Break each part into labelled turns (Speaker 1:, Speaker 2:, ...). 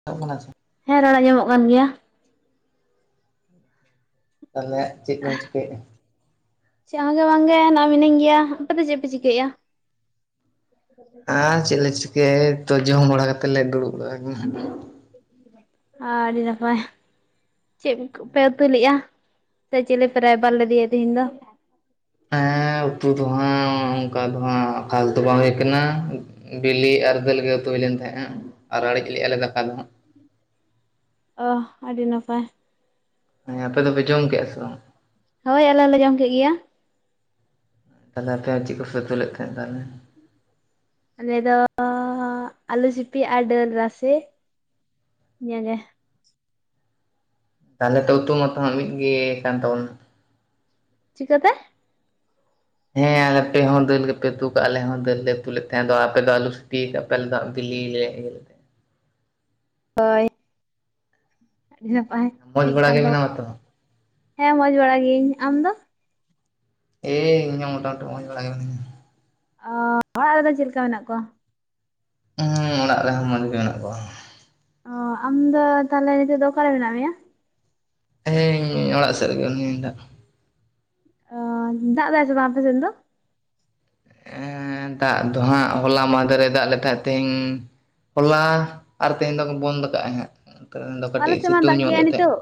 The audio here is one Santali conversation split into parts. Speaker 1: [inaudible]
Speaker 2: ᱦᱮᱸ ᱨᱚᱲ ᱟᱡᱚᱢᱚᱜ ᱠᱟᱱ ᱜᱮᱭᱟ᱾
Speaker 1: ᱛᱟᱦᱚᱞᱮ ᱪᱮᱫ ᱠᱚᱢ ᱪᱤᱠᱟ. ᱭᱮᱜ-ᱟ?
Speaker 2: ᱪᱮᱫ ᱦᱚᱸ ᱜᱮ ᱵᱟᱝ ᱜᱮ ᱱᱚᱜ-ᱚᱭ ᱢᱤᱱᱟᱹᱧ ᱜᱮᱭᱟ, ᱟᱯᱮ ᱫᱚ ᱪᱮᱫ ᱯᱮ ᱪᱤᱠᱟᱹᱭᱮᱜ-ᱟ? [inaudible]
Speaker 1: ᱟᱨ ᱪᱮᱫ ᱞᱮ ᱪᱤᱠᱟᱹᱭᱟ ᱮᱭ ᱛᱚ ᱡᱚᱢ ᱵᱟᱲᱟ ᱠᱟᱛᱮᱫ ᱞᱮ ᱫᱩᱲᱩᱵ ᱵᱟᱲᱟᱣ ᱠᱟᱱᱟ᱾
Speaker 2: ᱟᱻ ᱰᱤ ᱱᱟᱯᱟᱭ ᱪᱮᱫ ᱠᱩ ᱯᱮ ᱩᱛᱩ ᱞᱮᱜᱟ ᱥᱮ ᱪᱮᱞᱮ ᱯᱮ ᱨᱟᱭᱵᱟᱨ ᱞᱮᱫᱮᱭᱟ ᱛᱮᱦᱤᱧ ᱫᱚ
Speaker 1: ᱦᱮᱸ ᱩᱛᱩ ᱫᱚᱦᱟᱜ ᱚᱝᱠᱟ ᱫᱚᱦᱟᱜ ᱠᱷᱟᱸᱥ ᱫᱚ ᱵᱟᱝ ᱦᱩᱭ ᱠᱟᱱᱟ᱾ ᱵᱤᱞᱤ ᱟᱨ ᱫᱟᱹᱞ ᱜᱮ ᱩᱛᱩ ᱦᱩᱭ ᱞᱮᱱ ᱛᱟᱦᱮᱸᱜ-ᱟ, ᱟᱨ ᱟᱲᱤᱡ ᱞᱮᱜ-ᱟ ᱞᱮ ᱫᱟᱠᱟ ᱫᱚᱦᱟᱜ᱾
Speaker 2: ᱚᱦ ᱟᱹᱰᱤ ᱱᱟᱯᱟᱭ᱾
Speaker 1: ᱦᱮᱸ ᱟᱯᱮ ᱫᱚᱯᱮ ᱡᱚᱢ ᱠᱮᱜ-ᱟ ᱥᱮ ᱵᱟᱝ?
Speaker 2: ᱦᱳᱭ ᱟᱞᱮ ᱦᱚᱞᱮ ᱡᱚᱢ ᱠᱮᱜ ᱜᱮᱭᱟ᱾
Speaker 1: ᱛᱟᱦᱞᱮ ᱟᱯᱮ ᱟᱨ ᱪᱮᱫ ᱠᱚ ᱯᱮ ᱩᱛᱩ ᱞᱮᱫ ᱛᱟᱦᱞᱮ?
Speaker 2: ᱟᱞᱮ ᱫᱚ ᱟᱹᱞᱩ ᱥᱤᱯᱤ ᱟᱨ ᱰᱟᱹᱞ ᱨᱟᱥᱮ ᱤᱧᱟᱹᱜᱮ᱾
Speaker 1: ᱛᱟᱦᱚᱞᱮ ᱛᱟᱹᱣ ᱛᱚ ᱢᱛᱚᱱ ᱢᱤᱫ ᱜᱮ ᱠᱟᱱ ᱛᱟᱵᱚᱱᱟ
Speaker 2: ᱪᱤᱠᱟᱹᱛᱮ
Speaker 1: ᱦᱮᱸ ᱟᱯᱮ ᱦᱚᱸ ᱫᱟᱹᱞ ᱜᱮᱯᱮ ᱩᱛᱩ ᱠᱟᱜ-ᱟ ᱟᱞᱮ ᱦᱚᱸ ᱫᱟᱹᱞ ᱞᱮ ᱩᱛᱩ ᱞᱮᱫ ᱛᱟᱦᱮᱸ ᱫᱚ ᱟᱯᱮ ᱫᱚ ᱟᱞᱩ ᱥᱤᱯᱤ ᱭᱟᱠᱟᱫᱼᱼ [unintelligible]
Speaker 2: ᱚᱭ ᱟᱰᱤ ᱱᱟᱯᱟᱭ
Speaker 1: ᱢᱚᱡᱽ ᱵᱟᱲᱟ ᱜᱮ ᱢᱮᱱᱟᱢᱟ ᱛᱚ?
Speaker 2: ᱦᱮᱸ ᱢᱚᱸᱡᱽ ᱵᱟᱲᱟ ᱜᱤᱭᱤᱧ᱾ᱟᱢ ᱫᱚ?
Speaker 1: ᱮᱸᱻ ᱤᱧ ᱦᱚ ᱢᱚᱴᱟᱢᱩᱴᱤ ᱢᱚᱡᱽ ᱵᱟᱲᱟ ᱜᱮ ᱢᱤᱱᱤᱧᱟ᱾
Speaker 2: ᱚ ᱚᱲᱟᱜ ᱨᱮᱫᱚ ᱪᱮᱫ ᱞᱮᱠᱟ ᱢᱮᱱᱟᱜ ᱠᱚᱣᱟ?
Speaker 1: ᱦᱩᱸ ᱚᱲᱟᱜ ᱨᱮᱦᱚᱸ ᱢᱚᱸᱡᱽ ᱜᱮ ᱢᱮᱱᱟᱜ ᱠᱚᱣᱟ᱾
Speaker 2: ᱚ ᱟᱢ ᱫᱚ ᱛᱟᱦᱞᱮ ᱱᱤᱛᱚᱜ ᱫᱚ ᱚᱠᱟᱨᱮ ᱢᱮᱱᱟᱜ ᱢᱮᱭᱟ?
Speaker 1: ᱦᱮᱸ ᱤᱧ ᱚᱲᱟᱜ ᱥᱮᱫ ᱨᱮᱜᱮ ᱡᱤᱱᱤᱧ ᱫᱟᱜ
Speaker 2: ᱚ ᱫᱟᱜ ᱫᱟᱭ ᱥᱮ ᱵᱟᱝ ᱟᱯᱮ ᱥᱮᱫ ᱫᱚ?
Speaker 1: ᱮᱸᱻ ᱫᱟᱜ ᱫᱚᱦᱟᱸᱜ ᱦᱚᱞᱟ ᱢᱟᱦᱫᱮᱨ ᱮ ᱫᱟᱜ ᱞᱮᱠᱷᱟᱜ ᱛᱮᱦᱤᱧ ᱦᱚᱞᱟ ᱟᱨ ᱛᱮᱦᱮᱧ ᱫᱚᱠᱚ ᱵᱚᱱᱫ ᱠᱟᱜᱼᱟ ᱦᱟᱜ ᱠᱟᱹ ᱛᱮᱦᱮᱧ ᱫᱚ
Speaker 2: ᱟᱞᱮ
Speaker 1: ᱠᱟᱹᱴᱤᱡ
Speaker 2: ᱥᱮᱫ ᱢᱟ
Speaker 1: ᱥᱤᱛᱩᱝ
Speaker 2: ᱫᱟᱜ
Speaker 1: ᱧᱚᱜ
Speaker 2: ᱜᱮᱭᱟᱭ
Speaker 1: ᱞᱮᱫ ᱛᱟᱦᱮᱸᱜ
Speaker 2: ᱱᱤᱛᱚᱜ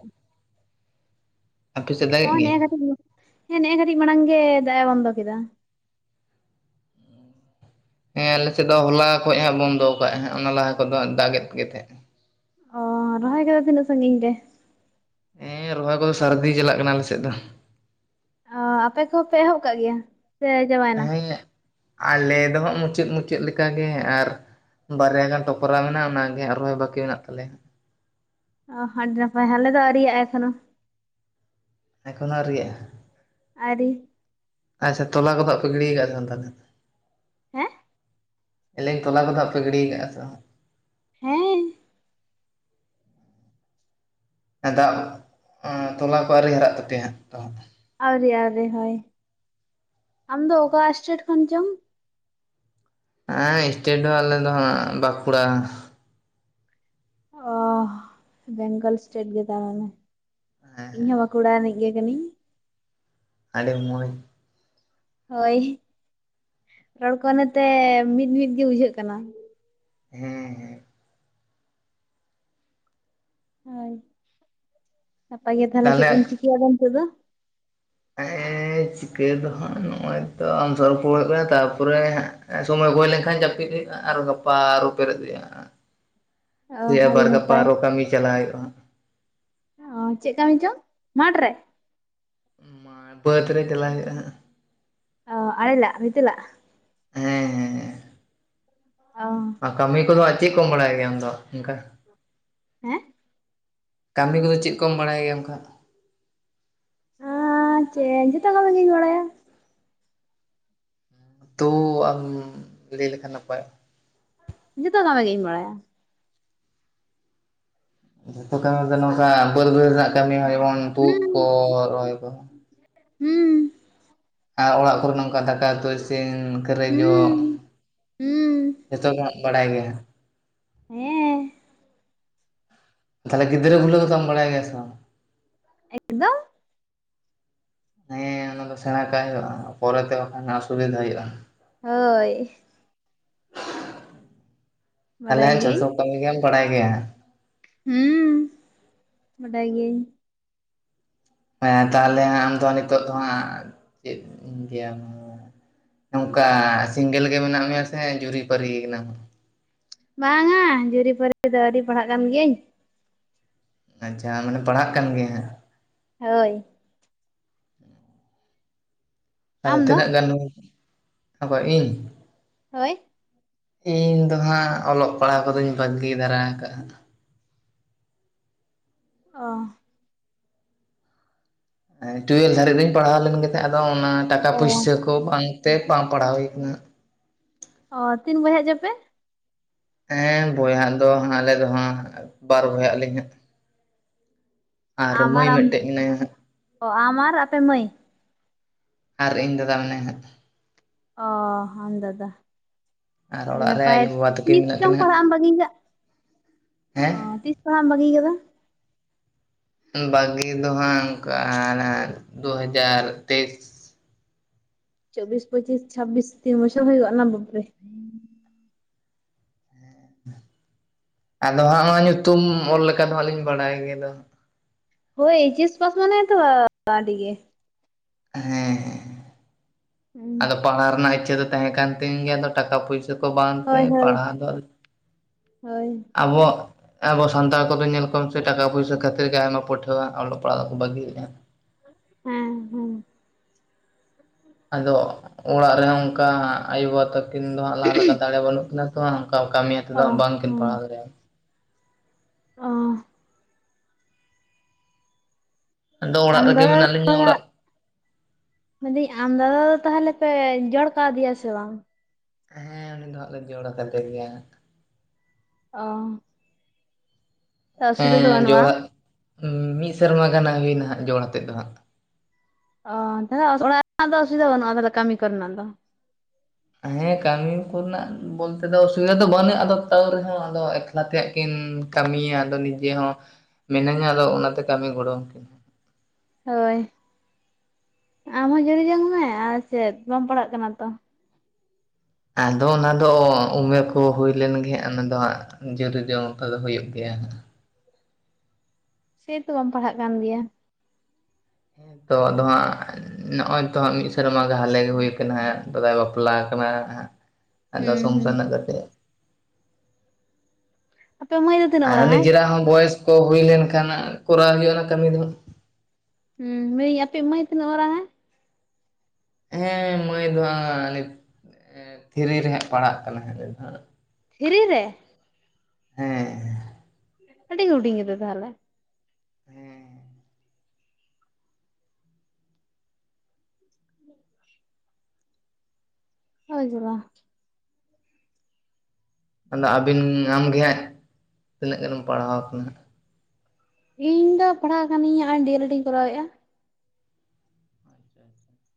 Speaker 2: ᱦᱚᱸ ᱱᱮᱜ ᱮ ᱠᱟᱴᱤᱡ, ᱦᱮᱸ ᱱᱮᱜ ᱮ ᱠᱟᱹᱴᱤᱡ ᱢᱟᱲᱟᱝ ᱜᱮ ᱫᱟᱜ ᱮ ᱵᱚᱱᱫᱚ ᱠᱮᱫᱟ᱾
Speaker 1: ᱦᱮᱸ ᱟᱞᱮᱥᱮᱫ ᱫᱚ ᱦᱚᱞᱟ ᱠᱷᱚᱡ ᱦᱟᱸᱜ ᱵᱚᱱᱫᱚ ᱠᱟᱜ-ᱟᱭ, ᱚᱱᱟ ᱞᱟᱦᱟ ᱠᱚ ᱫᱚ ᱫᱟᱜᱮᱫ ᱜᱮ ᱛᱟᱦᱮᱸᱫ ᱮ᱾
Speaker 2: ᱚ ᱨᱚᱦᱚᱭ ᱠᱚᱫᱚ ᱛᱤᱱᱟᱹᱜ ᱥᱟᱺᱜᱤᱧ ᱜᱮ?
Speaker 1: ᱮᱸ ᱨᱚᱦᱚᱭ ᱠᱚᱫᱚ ᱥᱟᱹᱨᱫᱤ ᱪᱟᱞᱟᱜ ᱠᱟᱱᱟ ᱟᱞᱮ ᱥᱮᱫ ᱫᱚ᱾
Speaker 2: ᱚᱻ ᱟᱯᱮ ᱠᱚᱦᱚᱸ ᱯᱮ ᱮᱦᱚᱵ ᱠᱟᱜ ᱜᱮᱭᱟ? [unintelligible]
Speaker 1: ᱦᱮᱸ ᱟᱞᱮ ᱫᱚᱦᱟᱸᱜ ᱢᱩᱪᱟᱹᱫ ᱢᱩᱪᱟᱹᱫ ᱞᱮᱠᱟᱜᱮ ᱟᱨ ᱵᱟᱨᱭᱟ ᱜᱟᱱ ᱴᱚᱯᱨᱟ ᱢᱮᱱᱟᱜᱼᱟ ᱚᱱᱟᱜᱮ ᱟᱨ ᱨᱚᱦᱚᱭ ᱵᱟᱹᱠᱤ ᱢᱮᱱᱟᱜ ᱛᱟᱞᱮᱭᱟ
Speaker 2: ᱚ [unintelligible] ᱦᱟᱞᱮ ᱫᱚ ᱟᱣᱨᱤᱭᱟᱜ-ᱟ ᱮᱠᱷᱚᱱᱚ
Speaker 1: ᱮᱠᱷᱚᱱᱚ ᱟᱣᱨᱤᱭᱟᱜ - ᱟ
Speaker 2: ᱟᱭᱨᱤ
Speaker 1: ᱟᱪᱪᱷᱟ ᱛᱚᱞᱟ ᱠᱚᱫᱚ ᱟᱜ ᱯᱮ ᱜᱤᱰᱤ ᱟᱠᱟᱫ-ᱟ ᱥᱮ ᱵᱟᱝ ᱛᱟᱦᱚᱞᱮ?
Speaker 2: ᱦᱮᱸ
Speaker 1: ᱞᱮᱸᱧ ᱛᱚᱞᱟ ᱠᱚᱫᱚ ᱦᱟᱜ ᱯᱮ ᱜᱤᱰᱤᱭ ᱠᱟᱜ-ᱟ ᱥᱮ ᱵᱟᱝ?
Speaker 2: ᱦᱮᱸ
Speaker 1: ᱮ ᱫᱟᱜ, ᱛᱚᱞᱟ ᱠᱚ ᱟᱹᱣᱨᱤ ᱦᱟᱨᱟᱜ ᱛᱟᱯᱮᱭᱟ ᱦᱟᱸᱜ ᱛᱚ
Speaker 2: ᱟᱹᱣᱨᱤ ᱟᱹᱣᱨᱤ ᱦᱳᱭ, ᱟᱢ ᱫᱚ ᱚᱠᱟ ᱥᱴᱮᱴ ᱠᱷᱚᱱ ᱪᱚᱝ?
Speaker 1: ᱟ ᱥᱴᱮᱴ ᱫᱚ ᱟᱞᱮ ᱫᱚ ᱦᱟᱜ ᱵᱟᱸᱠᱩᱲᱟ
Speaker 2: ᱚᱸᱻᱦ ᱵᱮᱝᱜᱚᱞ ᱥᱴᱮᱴ ᱜᱮ ᱛᱟ ᱢᱟᱱᱮ᱾ ᱤᱧ ᱦᱚᱸ ᱵᱟᱸᱠᱩᱲᱟ ᱨᱤᱱᱤᱡ ᱜᱮ ᱠᱟᱹᱱᱤᱧ᱾
Speaker 1: ᱟᱹᱰᱤ ᱢᱚᱡᱽ
Speaker 2: ᱦᱳᱭ, ᱨᱚᱲ ᱠᱚ ᱱᱚᱮ-ᱛᱮ ᱢᱤᱫ ᱢᱤᱫ ᱜᱮ ᱵᱩᱡᱷᱟᱹᱜ ᱠᱟᱱᱟ᱾
Speaker 1: ᱦᱩᱸ ᱦᱩᱸ
Speaker 2: ᱦᱳᱭ, ᱱᱟᱯᱟᱭ ᱜᱮ ᱛᱟᱦᱚᱞᱮ ᱪᱮᱫ ᱫᱢ ᱪᱤᱠᱟᱹᱭᱟ ᱟᱫᱚ ᱱᱤᱛᱚᱜ ᱫᱚ?
Speaker 1: ᱮᱜᱮ ᱪᱤᱠᱟᱹ ᱫᱚ ᱦᱟᱸᱜ ᱱᱚᱜ-ᱚᱭ ᱛᱚ ᱟᱢ ᱥᱟᱣ ᱨᱚᱯᱚᱲ ᱦᱩᱭᱩᱜ ᱠᱟᱱᱟ, ᱛᱟᱯᱚᱨᱮ ᱦᱟᱜ ᱥᱚᱢᱚᱭ ᱠᱚ ᱦᱩᱭ ᱞᱮᱱᱠᱷᱟᱱ ᱡᱟᱹᱯᱤᱫ ᱦᱩ ᱟᱨᱚ ᱜᱟᱯᱟ ᱟᱨᱚ ᱯᱮᱨᱮᱫ ᱦᱩᱭᱩᱜᱼᱟ
Speaker 2: ᱚ
Speaker 1: ᱥᱮ [inaudible]
Speaker 2: ᱟᱹᱰᱤ
Speaker 1: ᱟᱵᱟᱨ ᱜᱟᱯᱟ
Speaker 2: ᱱᱟᱯᱟᱭ
Speaker 1: ᱟᱨᱚ ᱠᱟᱹᱢᱤ ᱪᱟᱞᱟᱣ ᱦᱩᱭᱩᱜᱼᱟ ᱦᱟᱸᱜ᱾
Speaker 2: ᱚ ᱪᱮᱫ ᱠᱟᱹᱢᱤ ᱪᱚᱝ, ᱢᱟᱨᱴ ᱨᱮ?
Speaker 1: ᱵᱟᱹᱫᱽ ᱨᱮ ᱪᱟᱞᱟᱣ ᱦᱩᱭᱩᱜ-ᱟ ᱦᱟᱸᱜ᱾
Speaker 2: ᱚ ᱟᱲᱮ ᱞᱟᱜ ᱵᱷᱤᱛᱟᱹ ᱞᱟᱜ᱾
Speaker 1: ᱦᱮᱸ ᱦᱮᱸ ᱦᱮᱸ᱾
Speaker 2: ᱚ᱾
Speaker 1: ᱟᱨ ᱠᱟᱹᱢᱤ ᱠᱚ ᱫᱚ ᱟᱨ ᱪᱮᱫ ᱠᱚᱢ ᱵᱟᱲᱟᱭ ᱜᱮᱭᱟ ᱟᱢ ᱫᱚ ᱚᱱᱠᱟ?
Speaker 2: ᱦᱮᱸ᱾
Speaker 1: ᱠᱟᱹᱢᱤ ᱠᱚ ᱫᱚ ᱪᱮᱫ ᱠᱚᱢ ᱵᱟᱲᱟᱭ ᱜᱮᱭᱟ ᱚᱱᱠᱟ ᱦᱟᱸᱜ᱾
Speaker 2: ᱪᱮᱻ ᱡᱦᱚᱛᱚ ᱠᱟᱹᱢᱤ ᱜᱤᱧ ᱵᱟᱲᱟᱭᱟ᱾
Speaker 1: ᱛᱚ ᱟᱢ ᱞᱟᱹᱭ ᱞᱮᱠᱷᱟᱱ ᱱᱟᱯᱟᱭᱚᱜ-ᱟ᱾
Speaker 2: ᱡᱚᱛᱚ ᱠᱟᱢᱤ ᱜᱤᱧ ᱵᱟᱲᱟᱭᱟ᱾
Speaker 1: ᱡᱷᱚᱛᱚ ᱠᱟᱹᱢᱤ ᱫᱚ ᱱᱚᱝᱠᱟ ᱵᱟᱹᱫᱽ ᱵᱟᱹᱭᱦᱟᱹᱲ ᱨᱮᱱᱟᱜ ᱠᱟᱹᱢᱤ ᱦᱚᱸ ᱡᱮᱢᱚᱱ ᱛᱩᱫ
Speaker 2: ᱦᱩᱸ
Speaker 1: ᱠᱚ, ᱨᱚᱦᱚᱭ ᱠᱚ᱾
Speaker 2: ᱦᱩᱸ᱾
Speaker 1: ᱟᱨ ᱚᱲᱟᱜ ᱠᱚᱨᱮ ᱱᱚᱝᱠᱟ ᱫᱟᱠᱟ ᱩᱛᱩ ᱤᱥᱤᱱ, ᱠᱷᱟᱹᱨᱟᱹᱭ ᱡᱚᱜ
Speaker 2: ᱦᱩᱸ ᱦᱩᱸ
Speaker 1: ᱡᱚᱛᱚ ᱜᱮ ᱵᱟᱲᱟᱭ ᱜᱮᱭᱟ᱾
Speaker 2: ᱦᱮᱸ᱾
Speaker 1: ᱛᱟᱦᱚᱞᱮ ᱜᱤᱫᱽᱨᱟᱹ ᱵᱷᱩᱞᱟᱹᱣ ᱠᱚᱫᱚᱢ ᱵᱟᱲᱟᱭ ᱜᱮᱭᱟ ᱥᱮ ᱵᱟᱝ?
Speaker 2: ᱮᱠᱫᱚᱢ᱾
Speaker 1: ᱦᱮᱸ ᱚᱱᱟ ᱫᱚ ᱥᱮᱬᱟ ᱠᱟᱜ ᱦᱩᱭᱩᱜᱼᱟ ᱯᱚᱨᱮ ᱛᱮ ᱵᱟᱝᱠᱷᱟᱱ ᱚᱥᱩᱵᱤᱫᱷᱟ ᱦᱩᱭᱩᱜᱼᱟ᱾
Speaker 2: ᱦᱚᱭ᱾
Speaker 1: ᱛᱟᱷᱚᱞᱮ
Speaker 2: ᱵᱟᱰᱟᱭ ᱜᱤᱭᱟᱹᱧ
Speaker 1: ᱡᱷᱚᱛᱚ ᱠᱟᱹᱢᱤ ᱜᱮᱢ ᱵᱟᱲᱟᱭ ᱜᱮᱭᱟ?
Speaker 2: ᱦᱩᱸ᱾ ᱵᱟᱰᱟᱭ ᱜᱤᱭᱟᱹᱧ᱾
Speaker 1: ᱦᱮᱸ ᱛᱟᱦᱚᱞᱮ ᱦᱟᱸᱜ ᱟᱢ ᱫᱚ ᱱᱤᱛᱚᱜ ᱫᱚ ᱦᱟᱸᱜ ᱪᱮᱫ ᱤᱧ ᱞᱟᱹᱭ ᱟᱢᱟ᱾ ᱱᱚᱝᱠᱟ ᱥᱤᱝᱜᱮᱞ ᱜᱮ ᱢᱮᱱᱟᱜ ᱢᱮᱭᱟ ᱥᱮ ᱡᱩᱨᱤ ᱯᱟᱹᱨᱤ ᱟᱠᱟᱱᱟᱢ?
Speaker 2: ᱵᱟᱝ-ᱟ ᱡᱩᱨᱤ ᱯᱟᱹᱨᱤ ᱫᱚ ᱟᱹᱣᱨᱤ ᱯᱟᱲᱦᱟᱜ ᱠᱟᱱ ᱜᱤᱭᱟᱹᱧ᱾
Speaker 1: ᱟᱪᱪᱷᱟ, ᱢᱟᱱᱮ ᱯᱟᱲᱦᱟᱜ ᱠᱟᱱ ᱜᱤᱭᱟᱹᱢ
Speaker 2: ᱦᱚᱭ᱾
Speaker 1: ᱟᱫᱚ
Speaker 2: ᱟᱢ ᱫᱚ
Speaker 1: ᱛᱤᱱᱟᱹᱜ ᱜᱟᱱ, [inaudible] ᱚᱠᱚᱭ ᱤᱧ᱾
Speaker 2: ᱦᱚᱭ᱾
Speaker 1: ᱤᱧ ᱫᱚ ᱦᱟᱸᱜ ᱚᱞᱚᱜ ᱯᱟᱲᱦᱟᱣ ᱠᱚᱫᱚᱧ ᱵᱟᱹᱜᱤ ᱫᱷᱟᱨᱟ ᱟᱠᱟᱜᱼᱟ ᱦᱟᱸᱜ᱾
Speaker 2: ᱚ᱾
Speaker 1: ᱮᱸ ᱴᱩᱭᱮᱞ ᱫᱷᱟᱹᱨᱤᱡ ᱫᱚᱧ ᱯᱟᱲᱦᱟᱣ ᱞᱮᱱ ᱜᱮ ᱛᱟᱦᱮᱸᱫ ᱟᱫᱚ ᱚᱱᱟ ᱴᱟᱠᱟ
Speaker 2: ᱚ
Speaker 1: ᱯᱩᱭᱥᱟᱹ ᱠᱚ ᱵᱟᱝ ᱛᱮ ᱵᱟᱝ ᱯᱟᱲᱦᱟᱣ ᱦᱩᱭ ᱠᱟᱱᱟ ᱦᱟᱸᱜ
Speaker 2: ᱚ ᱛᱤᱱ ᱵᱚᱭᱦᱟᱜ ᱪᱚ ᱯᱮ?
Speaker 1: ᱦᱮᱸ ᱵᱚᱭᱦᱟᱜ ᱫᱚ ᱦᱟᱸ ᱟᱞᱮ ᱫᱚ ᱦᱟᱸᱜ ᱵᱟᱨ ᱵᱚᱭᱦᱟᱜ ᱟᱹᱞᱤᱧ ᱦᱟᱸᱜ ᱟᱨ
Speaker 2: ᱟᱢ
Speaker 1: ᱢᱟᱹᱭ
Speaker 2: ᱟᱢ
Speaker 1: ᱢᱤᱫᱴᱮᱡ ᱢᱮᱱᱟᱭᱟ ᱦᱟᱸᱜ
Speaker 2: ᱚ ᱟᱢ ᱟᱨ ᱟᱯᱮ ᱢᱟᱹᱭ
Speaker 1: ᱟᱨ ᱤᱧ ᱫᱟᱫᱟ ᱢᱮᱱᱟᱭᱟ ᱦᱟᱸᱜ
Speaker 2: ᱚ ᱟᱢ ᱫᱟᱫᱟ
Speaker 1: ᱟᱨ
Speaker 2: ᱟᱹᱰᱤ
Speaker 1: ᱚᱲᱟᱜ ᱨᱮ
Speaker 2: ᱱᱟᱯᱟᱭ,
Speaker 1: ᱟᱭᱳᱼᱵᱟᱵᱟ ᱛᱟᱹᱠᱤᱱ
Speaker 2: ᱛᱤᱥ
Speaker 1: ᱢᱮᱱᱟᱜ
Speaker 2: ᱪᱚᱝ
Speaker 1: ᱠᱤᱱᱟ ᱦᱟᱸᱜ
Speaker 2: ᱯᱟᱲᱦᱟᱜ ᱮᱢ ᱵᱟᱹᱜᱤ ᱠᱟᱜ?
Speaker 1: ᱦᱮᱸ
Speaker 2: ᱚ ᱛᱤᱥ ᱯᱟᱲᱦᱟᱢ ᱵᱟᱹᱜᱤ ᱠᱟᱫᱟ?
Speaker 1: ᱵᱟᱹᱜᱤ ᱫᱚ ᱦᱟᱸᱜ ᱚᱝᱠᱟ ᱦᱟᱱᱟ ᱫᱚ ᱦᱟᱡᱟᱨ ᱛᱮᱭᱤᱥ
Speaker 2: ᱪᱚᱵᱵᱤᱥ, ᱯᱚᱪᱤᱥ, ᱪᱷᱟᱵᱵᱤᱥ ᱛᱤᱱ ᱵᱚᱪᱚᱨ ᱦᱩᱭᱩᱜᱼᱟ ᱱᱟ ᱵᱟᱯ ᱨᱮ
Speaker 1: ᱟᱫᱚ ᱦᱟᱸᱜ ᱦᱚᱸᱜ-ᱚᱭ ᱧᱩᱛᱩᱢ ᱚᱞ ᱞᱮᱠᱟ ᱫᱚ ᱦᱟᱸᱜ ᱞᱤᱧ ᱵᱟᱲᱟᱭ ᱜᱮ ᱫᱚ
Speaker 2: ᱦᱳᱭ ᱮᱪᱮᱥ ᱯᱟᱥ ᱢᱟᱱᱮ ᱛᱚ ᱟᱹᱰᱤ ᱜᱮ
Speaker 1: ᱦᱮᱸ, ᱟᱫᱚ ᱯᱟᱲᱦᱟᱣ ᱨᱮᱱᱟᱜ ᱤᱪᱪᱷᱟᱹ ᱫᱚ ᱛᱟᱦᱮᱸ ᱠᱟᱱ ᱛᱤᱧ ᱜᱮᱭᱟ ᱫᱚ ᱴᱟᱠᱟ ᱯᱩᱭᱥᱟᱹ [unintelligible] ᱠᱚ ᱵᱟᱝ ᱛᱮ
Speaker 2: ᱦᱳᱭ ᱦᱳᱭ
Speaker 1: ᱯᱟᱲᱦᱟᱣ ᱫᱚ
Speaker 2: ᱦᱳᱭ
Speaker 1: ᱟᱵᱚᱣᱟᱜ ᱟᱵᱚ ᱥᱟᱱᱛᱟᱲ ᱠᱚ ᱫᱚ ᱧᱮᱞ ᱠᱚᱢ ᱥᱮ ᱴᱟᱠᱟ ᱯᱩᱭᱥᱟᱹ ᱠᱷᱟᱹᱛᱤᱨ ᱜᱮ ᱟᱭᱢᱟ ᱯᱟᱹᱴᱷᱩᱣᱟᱹ ᱦᱟᱸᱜ ᱚᱞᱚᱜ ᱯᱟᱲᱦᱟᱜ ᱫᱚᱠᱚ ᱵᱟᱹᱜᱤᱭ ᱫᱟ
Speaker 2: ᱦᱮᱸ ᱦᱩᱢ᱾
Speaker 1: ᱟᱫᱚ ᱚᱲᱟᱜ ᱨᱮᱦᱚᱸ ᱚᱝᱠᱟ ᱟᱭᱳᱼᱵᱟᱵᱟ ᱛᱟᱹᱠᱤᱱ ᱫᱚ ᱦᱟᱸᱜ ᱞᱟᱦᱟ ᱞᱮᱠᱟ ᱫᱟᱲᱮ ᱵᱟᱹᱱᱩᱜ ᱠᱤᱱᱟ᱾ ᱛᱚ ᱦᱟᱸᱜ ᱚᱱᱠᱟ ᱠᱟᱹᱢᱤᱭᱟ
Speaker 2: ᱚ
Speaker 1: ᱛᱮᱫᱚ ᱵᱟᱝᱠᱤᱱ ᱯᱟᱲᱦᱟᱣ ᱫᱟᱲᱮᱭᱟᱢ
Speaker 2: ᱚᱸ᱾
Speaker 1: ᱟᱫᱚ ᱚᱲᱟᱜ
Speaker 2: ᱟᱢ
Speaker 1: ᱨᱮᱜᱮ
Speaker 2: ᱫᱟᱫᱟ
Speaker 1: ᱢᱮᱱᱟᱜ ᱞᱤᱧᱟᱹ ᱚᱲᱟᱜ
Speaker 2: ᱢᱮᱱᱫᱟᱹᱧ ᱟᱢ ᱫᱟᱫᱟ ᱫᱚ ᱛᱟᱦᱚᱞᱮ ᱯᱮ ᱡᱚᱲ ᱠᱟᱣᱫᱮᱭᱟ ᱥᱮ ᱵᱟᱝ
Speaker 1: ᱦᱮᱸ ᱩᱱᱤ ᱫᱚ ᱦᱟᱸᱜ ᱞᱮ ᱡᱚᱲ ᱠᱟᱫᱮ ᱜᱮᱭᱟ
Speaker 2: ᱚ᱾ ᱚᱥᱩᱵᱤᱫᱟ ᱫᱚ
Speaker 1: ᱮᱸᱻ
Speaker 2: ᱵᱟᱹᱱᱩᱜᱼᱟ
Speaker 1: ᱡᱚᱲᱟᱜ ᱢᱤᱫ ᱥᱮᱨᱢᱟ ᱜᱟᱱ ᱦᱟᱸᱜ ᱦᱩᱭᱱᱟ ᱡᱚᱲ ᱟᱛᱮᱫ ᱫᱚ ᱦᱟᱸᱜ
Speaker 2: ᱚᱻ ᱛᱟᱦᱚᱞᱮ ᱚᱲᱟᱜ ᱨᱮᱱᱟᱜ ᱫᱚ ᱚᱥᱩᱵᱤᱫᱟ ᱵᱟᱹᱱᱩᱜᱼᱟ ᱛᱟᱦᱚᱞᱮ ᱠᱟᱹᱢᱤ ᱠᱚᱨᱮᱱᱟᱜ ᱫᱚ
Speaker 1: ᱦᱮᱸ ᱠᱟᱹᱢᱤ ᱠᱚᱨᱮᱱᱟᱜ ᱵᱚᱞᱛᱮ ᱫᱚ ᱚᱥᱩᱵᱤᱫᱷᱟ ᱫᱚ ᱵᱟᱹᱱᱩᱜᱼᱟ ᱟᱫᱚ ᱛᱟᱹᱣ ᱨᱮᱦᱚᱸ ᱟᱫᱚ ᱮᱠ ᱞᱟ ᱛᱮ ᱠᱤᱱ ᱠᱟᱹᱢᱤᱭᱟ ᱟᱫᱚ ᱱᱤᱡᱮ ᱦᱚᱸ ᱢᱤᱱᱟᱹᱧᱟ ᱟᱫᱚ ᱚᱱᱟᱛᱮ ᱠᱟᱹᱢᱤ ᱜᱚᱸᱲᱚᱣᱟᱠᱤᱱ
Speaker 2: ᱦᱳᱭ, ᱟᱢ ᱦᱚᱸ ᱡᱩᱨᱤ ᱡᱚᱝ ᱢᱮ ᱟᱨ ᱪᱮᱫ ᱵᱟᱢ ᱯᱟᱲᱦᱟᱜ ᱠᱟᱱᱟ ᱛᱚ
Speaker 1: ᱟᱫᱚ ᱚᱱᱟ ᱫᱚ ᱩᱢᱮᱨ ᱠᱚ ᱦᱩᱭ ᱞᱮᱱ ᱜᱮ ᱚᱱᱟ ᱫᱚ ᱦᱟᱸᱜ ᱡᱩᱨᱤ ᱡᱚᱝ ᱢᱟᱛᱚ ᱦᱩᱭᱩᱜ ᱜᱮᱭᱟ
Speaker 2: ᱥᱮᱛᱚ ᱵᱟᱢ ᱯᱟᱲᱦᱟᱜ ᱠᱟᱱ ᱜᱮᱭᱟ
Speaker 1: ᱦᱮᱸ ᱛᱚ ᱟᱫᱚ ᱦᱟᱸᱜ ᱱᱚᱜᱼᱚᱭ ᱛᱚ ᱦᱟᱸᱜ ᱢᱤᱫ ᱥᱮᱨᱢᱟ ᱜᱮ ᱦᱟᱞᱮ ᱜᱮ ᱦᱩᱭ ᱠᱟᱱᱟ ᱦᱟᱸᱜ ᱫᱟᱫᱟᱭ ᱵᱟᱯ ᱵᱟᱯᱞᱟ ᱟᱠᱟᱱᱟ ᱦᱟᱸᱜ ᱟᱫᱚ
Speaker 2: ᱦᱩᱸ ᱦᱩᱸ
Speaker 1: ᱥᱚᱝᱥᱟᱨ ᱨᱮᱱᱟᱜ ᱠᱟᱛᱮᱜ
Speaker 2: ᱟᱯᱮ ᱢᱟᱹᱭ ᱛᱤᱱᱟᱹᱜ
Speaker 1: ᱟᱨ
Speaker 2: ᱢᱟᱨᱟᱝ ᱟᱭ
Speaker 1: ᱱᱤᱡᱮᱨᱟᱜ ᱦᱚᱸ ᱵᱚᱭᱮᱥ ᱠᱚ ᱦᱩᱭ ᱞᱮᱱᱠᱷᱟᱱ ᱠᱚᱨᱟᱣ ᱦᱩᱭᱩᱜᱼᱟ ᱚᱱᱟ ᱠᱟᱹᱢᱤ ᱫᱚ ᱦᱟᱸᱜ
Speaker 2: ᱦᱮᱸ ᱢᱟᱹᱭ ᱟᱯᱮᱭᱤᱡ ᱢᱟᱹᱭ ᱛᱤᱱᱟᱹᱜ ᱢᱟᱨᱟᱝ ᱦᱮᱱᱟᱭ
Speaker 1: ᱦᱮᱸ ᱢᱟᱹᱭ ᱫᱚ ᱦᱟᱸᱜ ᱟᱞᱮᱥ ᱮᱸᱻ ᱛᱷᱤᱨᱤ ᱨᱮ ᱦᱟᱸᱜ ᱯᱟᱲᱦᱟᱜ ᱠᱟᱱᱟ᱾ ᱦᱟᱞᱮ ᱫᱚ ᱦᱟᱸᱜ
Speaker 2: ᱛᱷᱤᱨᱤ ᱨᱮ
Speaker 1: ᱦᱮᱸ᱾
Speaker 2: ᱟᱹᱰᱤ ᱦᱩᱰᱤᱧ ᱜᱮᱫᱚ ᱛᱟᱦᱚᱞᱮ
Speaker 1: ᱦᱮᱸ
Speaker 2: [inaudible] ᱱᱚᱜᱼᱚᱭ ᱡᱷᱚᱞᱟ
Speaker 1: ᱟᱫᱚ ᱟᱹᱵᱤᱱ ᱟᱢᱜᱮ ᱦᱟᱸᱜ ᱛᱤᱱᱟᱹᱜ ᱜᱟᱱᱮᱢ ᱯᱟᱲᱦᱟᱣ ᱟᱠᱟᱱᱟ ᱦᱟᱸᱜ
Speaker 2: ᱤᱧ ᱫᱚ ᱯᱟᱲᱦᱟᱣ ᱠᱟᱹᱱᱟᱹᱧ ᱱᱚᱦᱚᱭ ᱰᱤ ᱮᱞ ᱮᱴ ᱤᱧ ᱠᱚᱨᱟᱣᱮᱫᱼᱟ᱾
Speaker 1: [inaudible]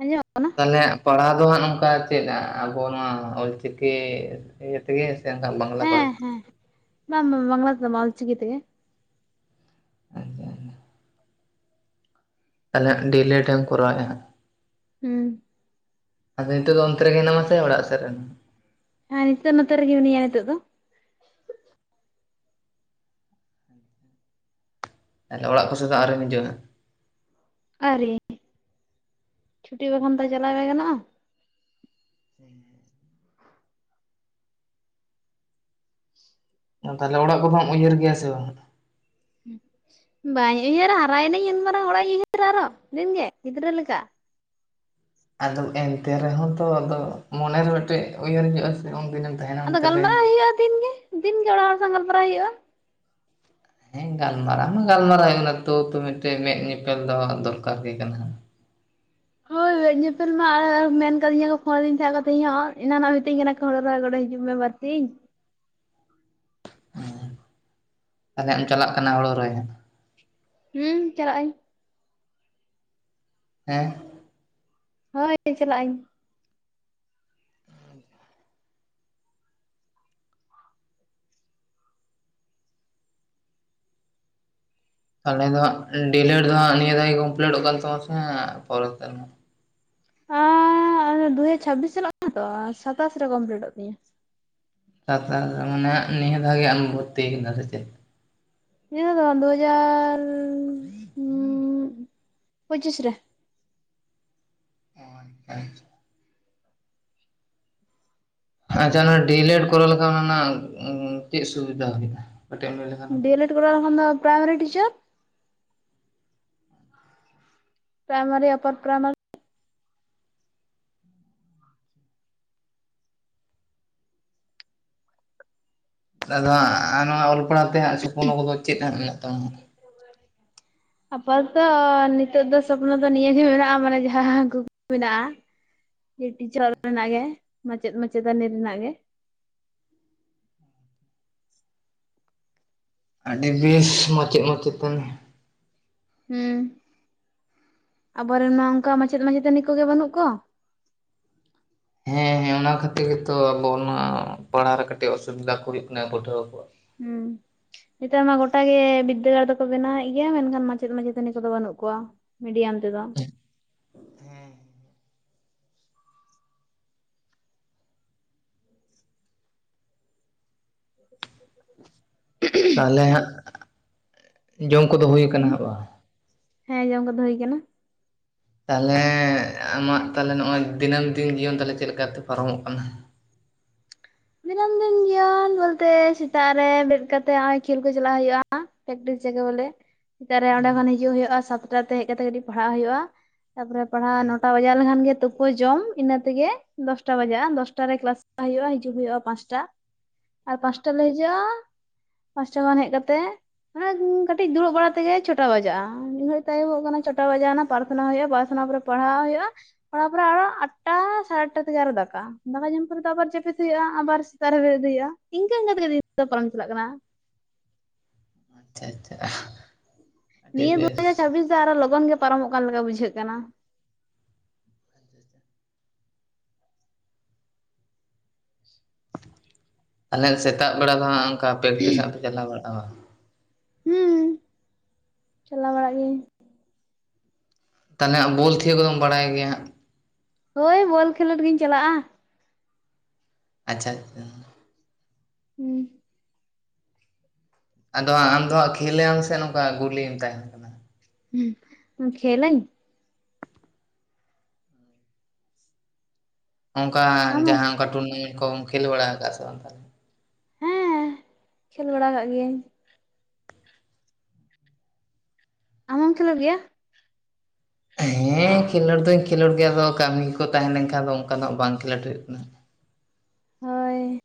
Speaker 2: ᱟᱸᱡᱚᱢᱚᱜ ᱠᱟᱱᱟ᱾
Speaker 1: ᱛᱟᱦᱚᱞᱮ ᱯᱟᱲᱦᱟᱣ ᱫᱚ ᱦᱟᱸᱜ ᱱᱚᱝᱠᱟ ᱪᱮᱫᱟᱜ ᱟᱵᱚ ᱱᱚᱣᱟ ᱚᱞᱪᱤᱠᱤ ᱤᱭᱟᱹ ᱛᱮᱜᱮ ᱥᱮ ᱦᱟᱱᱟ ᱵᱟᱝᱞᱟ ᱵᱷᱟᱥ
Speaker 2: ᱦᱮᱸ ᱦᱮᱸ ᱵᱟᱝ ᱵᱟᱝ ᱵᱟᱝ ᱞᱟ ᱛᱮ ᱫᱚ ᱵᱟᱝ ᱚᱞ ᱪᱤᱠᱤ ᱛᱮ ᱜᱮ
Speaker 1: ᱟᱨ ᱫᱚ ᱟᱨ ᱫᱚ [unintelligible] ᱛᱟᱦᱚᱴᱞᱮ ᱰᱤ ᱮᱞ ᱮᱴ ᱮᱢ ᱠᱚᱨᱟᱣᱮᱫᱼᱟ ᱦᱟᱸᱜ
Speaker 2: ᱦᱩᱸ
Speaker 1: ᱟᱫᱚ ᱱᱤᱛ ᱫᱚ ᱚᱱᱛ ᱨᱮ ᱜᱮ ᱢᱮᱱᱟ ᱢᱟᱥᱮ ᱳᱲᱟᱜ ᱥᱮᱫ ᱨᱮ ᱢᱮᱱᱟ ᱢᱟ᱾
Speaker 2: ᱦᱮᱸ ᱦᱟᱱᱛᱮ ᱱᱟᱛᱮ ᱨᱮ ᱜᱮ ᱢᱮᱱᱟᱧᱟ ᱱᱤᱛᱚᱜ ᱫᱚ
Speaker 1: [unintelligible] ᱛᱟᱦᱞᱮ ᱚᱲᱟᱜ ᱠᱚ ᱥᱮᱫ ᱫᱚ ᱟᱨᱤᱢ ᱦᱤᱡᱩᱜᱼᱟ ᱦᱟᱸᱜ
Speaker 2: ᱟᱭᱨᱤ ᱪᱷᱩᱴᱤ ᱵᱟᱝ ᱠᱷᱟᱱ ᱫᱚ ᱪᱟᱞᱟᱣ ᱵᱟᱝ ᱜᱟᱱᱚᱜᱼᱟ᱾
Speaker 1: ᱦᱩᱸ ᱦᱩᱸ ᱦᱩᱸ ᱛᱟᱦᱞᱮ ᱚᱲᱟᱜ ᱠᱚᱫᱚᱢ ᱩᱭᱦᱟᱹᱨ ᱜᱮᱭᱟ ᱥᱮ ᱵᱟᱝ?
Speaker 2: ᱵᱟᱧ ᱩᱭᱦᱟᱹᱨᱟ ᱦᱟᱨᱟᱭ ᱱᱟᱹᱧ ᱤᱱ ᱢᱟᱨᱟᱝ ᱚᱲᱟᱜ ᱤᱧ ᱩᱭᱦᱟᱹᱨᱟ ᱟᱨᱦᱚ ᱫᱤᱱ ᱜᱮ ᱜᱤᱫᱽᱨᱟᱹ ᱞᱮᱠᱟ᱾
Speaker 1: ᱟᱫᱚ ᱮᱱᱛᱮ ᱨᱮ ᱦᱚᱸ ᱛᱚ ᱟᱫᱚ ᱢᱚᱱᱮ ᱨᱮ ᱢᱤᱫ ᱴᱮᱡ ᱩᱭᱦᱟᱹᱨ ᱦᱩᱭᱩᱜᱼᱟ᱾ ᱥᱮ ᱩᱱ ᱫᱤᱱᱮᱢ
Speaker 2: ᱟᱫᱚ ᱜᱟᱞ ᱢᱟᱨᱟᱣ ᱦᱩᱭᱩᱜᱼᱟ ᱫᱤᱱ ᱜᱮ ᱫᱤᱱ ᱜᱮ ᱚᱲᱟᱜ ᱦᱚᱲ ᱥᱟᱶ ᱜᱟᱞ ᱢᱟᱨᱟᱣ ᱦᱩᱭᱩᱜᱼᱟ᱾
Speaker 1: ᱦᱮᱸ ᱜᱟᱞ ᱢᱟᱨᱟᱣ ᱢᱟ ᱜᱟᱞ ᱢᱟᱨᱟᱣ ᱦᱩᱭᱩᱜ ᱚᱱᱟ ᱛᱚ ᱛᱚ ᱢᱤᱫ ᱴᱮᱡ ᱢᱮᱫᱽ ᱧᱮ ᱯᱮᱞ ᱫᱚ ᱫᱚᱨᱠᱟᱨ ᱜᱮ ᱠᱟᱱᱟ᱾
Speaker 2: ᱦᱳᱭ ᱧᱮ ᱯᱮᱞ ᱢᱟ ᱟᱨ ᱢᱮᱱ ᱟᱠᱟ ᱫᱤᱧᱟ ᱠᱚ ᱯᱷᱳᱱ ᱫᱤᱧ ᱛᱟᱦᱮᱸᱧ ᱮᱱᱟᱱ ᱨᱮ ᱢᱤᱛᱟᱹᱧ ᱠᱟᱱᱟ ᱦᱳ ᱲᱳ ᱨᱚᱦᱚᱭ ᱜᱚᱲᱚ ᱦᱤᱡᱩᱜ ᱢᱮ ᱵᱟᱨ ᱫᱤᱱ
Speaker 1: ᱦᱮᱸ ᱛᱟᱞᱦᱮ ᱮᱢ ᱪᱟᱞᱟᱜ ᱠᱟᱱᱟ ᱦᱩᱲᱩ ᱨᱚᱦᱚᱭ?
Speaker 2: ᱦᱩᱸ ᱪᱟᱞᱟᱜ ᱟᱹᱧ
Speaker 1: ᱦᱮᱸ
Speaker 2: ᱦᱳᱭ ᱪᱟᱞᱟᱜ ᱟᱹᱧ
Speaker 1: ᱛᱟᱦᱞᱮ ᱫᱚ ᱦᱜ ᱰᱤ ᱮᱞ ᱮᱰ ᱫᱚ ᱦᱟᱸᱜ ᱱᱤᱭᱟᱹ ᱫᱷᱟ ᱜᱮ ᱠᱚᱢ ᱯᱤᱞᱤᱴ ᱚᱜ ᱠᱟᱱ ᱛᱟᱢᱟ ᱥᱮ ᱦᱟᱸᱜ ᱯᱚᱨᱮᱨ ᱥᱮᱨᱢᱟ?
Speaker 2: ᱫᱩ ᱦᱟᱡᱟᱨ ᱪᱷᱟᱵ ᱵᱤᱥ ᱪᱟᱞᱟᱜ ᱠᱟᱱᱟ ᱛᱚ ᱥᱟᱛᱟᱥ ᱨᱮ ᱠᱚᱢ ᱯᱤᱞᱤᱴᱚᱜ ᱛᱤᱧᱟᱹ᱾
Speaker 1: ᱥᱟᱛᱟᱥ ᱢᱟᱱᱮ ᱦᱟᱸᱜ ᱱᱤᱭᱟᱹᱫᱷᱟᱣ ᱜᱮ ᱟᱢᱮᱢ ᱵᱷᱚᱛᱛᱤ ᱠᱟᱱᱟ ᱥᱮ ᱪᱮᱫ?
Speaker 2: ᱱᱤᱭᱟᱹ ᱫᱚ ᱵᱟᱝ ᱫᱩᱦᱟᱡᱟᱨ ᱯᱚᱪᱤᱥ ᱨᱮ
Speaker 1: ᱚ ᱟᱪᱪᱷᱟ ᱟᱪᱪᱷᱟ ᱟᱪᱪᱷᱟ ᱚᱱᱟ ᱰᱤ ᱮᱞ ᱮᱰ ᱠᱚᱨᱟᱣ ᱞᱮ ᱠᱷᱟᱱ ᱚᱱᱟ ᱨᱮᱱᱟᱜ ᱪᱮᱫ ᱥᱩᱵᱤᱫᱟ ᱦᱩᱭᱩᱜᱼᱟ ᱠᱟᱹᱴᱤᱡ ᱮᱢ ᱞᱟᱹᱭ ᱞᱮ ᱠᱷᱟᱱ
Speaker 2: ᱥᱩᱵᱤ ᱫᱟ ᱠᱷᱚᱱ ᱫᱚ ᱯᱮᱨᱟᱭ ᱢᱟᱨᱤ ᱴᱤᱪᱟᱨ ᱯᱮᱨᱟᱭ ᱢᱟᱨᱤ ᱚᱯᱟᱨ ᱯᱮᱨᱟᱭ ᱢᱟᱨᱤ
Speaker 1: ᱟᱫᱚ ᱦᱟᱸᱜ ᱱᱚᱣᱟ ᱚᱞ ᱯᱟᱲ ᱦᱟᱣ ᱛᱮ ᱦᱟᱸᱜ ᱥᱚᱯᱱᱚ ᱠᱚ ᱫᱚ ᱪᱮᱫ ᱦᱟᱸᱜ ᱢᱮᱱᱟᱜ ᱛᱟᱢᱟ᱾
Speaker 2: ᱟᱯᱟ ᱛᱚ ᱛᱚ ᱱᱤᱛᱚᱜ ᱫᱚ ᱥᱚᱯᱱᱚ ᱫᱚ ᱱᱤᱭᱟᱹᱜ ᱜᱮ ᱢᱮᱱᱟᱜᱼᱟ ᱢᱟᱱᱮ ᱡᱟᱦᱟᱸ ᱠᱩᱠᱢᱩ ᱢᱮᱱᱟᱜᱼᱟ᱾ ᱴᱤᱪᱚᱨ ᱨᱮᱱᱟᱜ ᱜᱮ ᱢᱟᱪᱮᱫ ᱢᱟᱪᱮ ᱛᱟᱹᱱᱤ ᱨᱮᱱᱟᱜ ᱜᱮ
Speaker 1: ᱟᱹᱰᱤ ᱵᱮᱥ ᱢᱟᱪᱮᱫ ᱢᱟᱪᱮ ᱛᱟᱱᱤ
Speaker 2: ᱦᱩᱸ, ᱟᱵᱚ ᱨᱮᱱ ᱢᱟ ᱚᱱᱠᱟ ᱢᱟᱪᱮᱫ ᱢᱟᱪᱮ ᱛᱟᱱᱤ ᱠᱚ ᱜᱮ ᱵᱟᱹᱱᱩᱜ ᱠᱚᱣᱟ
Speaker 1: ᱦᱮᱸ ᱦᱮᱸ ᱚᱱᱟ ᱠᱷᱟᱹᱛᱤᱨ ᱜᱮ ᱛᱚ ᱟᱵᱚ ᱚᱱᱟ ᱯᱟᱲ ᱦᱟᱣ ᱨᱮ ᱠᱟᱹᱴᱤᱡ ᱚᱥᱩ ᱵᱤᱫᱟ ᱠᱚ ᱦᱩᱭᱩᱜ ᱠᱟᱱᱟ ᱯᱟᱹᱴᱷᱩᱣᱟᱹ ᱠᱚᱣᱟᱜ᱾
Speaker 2: ᱦᱩᱸ ᱦᱮᱛᱟᱨ ᱢᱟ ᱜᱚᱴᱟ ᱜᱮ ᱵᱤᱫᱽᱫᱟᱹᱜᱟᱲ ᱫᱚ ᱠᱚ ᱵᱮᱱᱟᱣᱮᱫ ᱜᱮᱭᱟ ᱢᱮᱱ ᱠᱷᱟᱱ ᱢᱟᱪᱮᱫ ᱢᱟᱪᱮ ᱛᱟᱹᱱᱤ ᱠᱚ ᱫᱚ ᱵᱟᱹᱱᱩᱜ ᱠᱚᱣᱟ᱾ ᱢᱤᱰᱤᱭᱟᱢ ᱛᱮᱫᱚ [inaudible]
Speaker 1: ᱛᱟᱦᱞᱮ ᱦᱟᱸᱜ ᱡᱚᱢ ᱠᱚ ᱫᱚ ᱦᱩᱭ ᱠᱟᱱᱟ ᱦᱟᱸᱜ ᱵᱟᱝ?
Speaker 2: ᱦᱮᱸ ᱡᱚᱢ ᱠᱚ ᱫᱚ ᱦᱩᱭ ᱠᱟᱱᱟ᱾
Speaker 1: ᱛᱟᱦᱞᱮ ᱟᱢᱟᱜ ᱛᱟᱦᱞᱮ ᱱᱚᱜᱼᱚᱭ ᱫᱤᱱᱟᱹᱢ ᱫᱤᱱ ᱡᱤᱭᱚᱱ ᱛᱟᱦᱞᱮ ᱪᱮᱫ ᱞᱮᱠᱟ ᱛᱮ ᱯᱟᱨᱚ ᱢᱚᱜ ᱠᱟᱱᱟ᱾
Speaker 2: ᱫᱤᱱᱟᱹᱢ ᱫᱤᱱ ᱡᱤᱭᱚᱱ ᱵᱚᱞ ᱛᱮ ᱥᱮᱛᱟᱜ ᱨᱮ ᱵᱮᱨᱮᱫ ᱠᱟᱛᱮᱫ ᱱᱚᱜᱼᱚᱭ ᱠᱷᱮᱞ ᱠᱚ ᱪᱟᱞᱟᱜ ᱦᱩᱭᱩᱜᱼᱟ᱾ ᱯᱮᱠ ᱴᱤᱥ ᱡᱟᱜᱟ ᱚᱰᱮ ᱥᱮᱛᱟᱜ ᱨᱮ ᱚᱸᱰᱮ
Speaker 1: ᱦᱩᱸ
Speaker 2: ᱠᱷᱚᱱ ᱦᱤᱡᱩᱜ ᱦᱩᱭᱩᱜᱼᱟ ᱥᱟᱛᱴᱟ ᱛᱮ ᱦᱮᱡ ᱠᱟᱛᱮᱜ ᱠᱟᱹᱴᱤᱡ ᱯᱟᱲᱦᱟᱜ ᱦᱩᱭᱩᱜᱼᱟ᱾ ᱛᱟᱯᱚᱨ ᱯᱟᱲ ᱦᱟᱜ ᱱᱚᱴᱟ ᱵᱟᱡᱟᱣ ᱞᱮᱱ ᱠᱷᱟᱱ ᱜᱮ ᱛᱩ ᱯᱩ ᱡᱚᱢ ᱤᱱᱟᱹ ᱛᱮ ᱜᱮ ᱫᱚᱥᱴᱟ ᱵᱟᱡᱟᱜᱼᱟ ᱫᱚᱥᱴᱟ ᱨᱮ ᱠᱮᱞᱟᱥ ᱪᱟᱞᱟᱜ ᱦᱩᱭᱩᱜᱼᱟ ᱦᱤᱡᱩᱜ ᱦᱩᱭᱩᱜᱼᱟ ᱯᱟᱸᱪᱴᱟ ᱟᱨ ᱯᱟᱸᱪᱴᱟ ᱨᱮ ᱞᱮ ᱦᱤᱡᱩᱜᱼᱟ ᱯᱟᱸᱪᱴᱟ ᱠᱷᱚᱱ ᱦᱮᱡ ᱠᱟᱛᱮᱜ ᱢᱟᱱᱮ ᱠᱟᱹᱴᱤᱡ ᱫᱩᱲᱩᱵ ᱵᱟᱲᱟ ᱛᱮ ᱜᱮ ᱪᱷᱚᱴᱟ ᱵᱟᱡᱟᱜᱼᱟ ᱢᱤᱫ ᱜᱷᱟᱹᱲᱤᱡ ᱛᱮ ᱟᱭᱩ ᱵᱚᱜ ᱠᱟᱱᱟ ᱪᱷᱚᱴᱟ ᱵᱟᱡᱟᱣ ᱱᱟ ᱯᱟᱨ ᱛᱷᱱᱟ ᱦᱩᱭᱩᱜᱼᱟ ᱯᱟᱨᱛᱷᱱᱟ ᱯᱚᱨᱮ ᱯᱟᱲᱦᱟᱣ ᱦᱩᱭᱩᱜᱼᱟ ᱛᱟᱯᱚ ᱨᱮ ᱟᱨᱚ ᱟᱴᱟ ᱥᱟᱲᱮ ᱟᱴᱟ ᱛᱮ ᱜᱮ ᱟᱨᱚ ᱫᱟᱠᱟ ᱫᱟᱠᱟ ᱡᱚᱢ ᱯᱚᱨ ᱛᱟᱯᱚ ᱨᱮ ᱦᱩᱭᱩᱜᱼᱟ ᱟᱵᱟᱨ ᱥᱮᱛᱟᱜ ᱨᱮ ᱵᱮᱨᱮᱫ ᱦᱩᱭᱩᱜᱼᱟ ᱤᱱᱠᱟᱹ ᱤᱱᱠᱟᱹ ᱛᱮ ᱜᱮ ᱫᱤᱱ ᱫᱚ ᱯᱟᱨᱚᱢ ᱪᱟᱞᱟᱜ ᱠᱟᱱᱟ᱾
Speaker 1: ᱟᱪᱪᱷᱟ ᱟᱪᱪᱷᱟ᱾ ᱟᱹᱰᱤ
Speaker 2: ᱱᱤᱭᱟᱹ ᱫᱩ ᱡᱟᱨ
Speaker 1: ᱵᱮᱥ
Speaker 2: ᱪᱷᱟᱵᱤᱥ ᱫᱚ ᱟᱨᱚ ᱞᱚᱜᱚᱱ ᱜᱮ ᱯᱟᱨᱚᱢᱚᱜ ᱠᱟᱱ ᱞᱮᱠᱟ ᱵᱩᱡᱷᱟᱹᱜ ᱠᱟᱱᱟ᱾
Speaker 1: ᱟᱞᱮ ᱥᱮᱛᱟᱜ ᱵᱮᱲᱟ ᱫᱚ ᱦᱟᱸᱜ ᱚᱝᱠᱟ ᱯᱮᱠᱴᱤᱥ ᱦᱟᱸᱜ ᱯᱮ ᱪᱟᱞᱟᱣ ᱵᱟᱲᱟᱜᱼᱟ ᱵᱟᱝ?
Speaker 2: ᱦᱩᱸ, ᱪᱟᱞᱟᱣ ᱵᱟᱲᱟᱜ ᱜᱤᱭᱟᱹᱧ᱾
Speaker 1: ᱛᱟᱦᱚᱞᱮ ᱦᱟᱸᱜ ᱵᱚᱞ ᱛᱷᱤᱭᱟᱹ ᱠᱚᱫᱚᱢ ᱵᱟᱲᱟᱭ ᱜᱮᱭᱟ ᱦᱟᱸᱜ?
Speaker 2: ᱦᱳᱭ ᱵᱚᱞ ᱠᱷᱮᱞᱳᱰ ᱜᱤᱧ ᱪᱟᱞᱟᱜᱼᱟ᱾
Speaker 1: ᱟᱪᱪᱷᱟ ᱟᱪᱪᱷᱟ᱾
Speaker 2: ᱦᱩᱸ᱾
Speaker 1: ᱟᱫᱚ ᱦᱟᱸᱜ ᱟᱢᱫᱚ ᱦᱟᱸᱜ ᱠᱷᱮᱞ ᱞᱟᱢ ᱥᱮ ᱱᱚᱝᱠᱟ ᱜᱩᱞᱤᱢ ᱛᱟᱦᱮᱸᱱ ᱠᱟᱱᱟ?
Speaker 2: ᱦᱩᱸ, ᱠᱷᱮᱞᱟᱹᱧ᱾
Speaker 1: ᱚᱝᱠᱟ
Speaker 2: ᱟᱢ ᱦᱚᱸ
Speaker 1: ᱡᱟᱦᱟᱸ ᱚᱝᱠᱟ ᱴᱩᱨᱱᱟᱢᱮᱱᱴ ᱠᱚᱢ ᱠᱷᱮᱞ ᱵᱟᱲᱟ ᱠᱟᱜ-ᱟ ᱥᱮ ᱵᱟᱝ ᱛᱟᱞᱦᱮ?
Speaker 2: ᱦᱮᱸ ᱠᱷᱮᱞ ᱵᱟᱲᱟ ᱠᱟᱜ ᱜᱤᱭᱟᱹᱧ᱾ ᱟᱢ ᱦᱚᱸᱢ ᱠᱷᱮᱞᱳᱜ ᱜᱮᱭᱟ?
Speaker 1: ᱦᱮᱸ ᱠᱷᱮᱞᱳᱰ ᱫᱩᱧ ᱠᱷᱮᱞᱳᱰ ᱜᱮᱭᱟ ᱟᱫᱚ ᱠᱟᱹᱢᱤ ᱠᱚ ᱛᱟᱦᱮᱸ ᱞᱮᱱᱠᱷᱟᱱ ᱫᱚ ᱚᱱᱠᱟᱱᱟᱜ ᱵᱟᱝ ᱠᱷᱮᱞᱳᱰ ᱦᱩᱭᱩᱜ ᱠᱟᱱᱟ᱾
Speaker 2: ᱦᱳᱭ᱾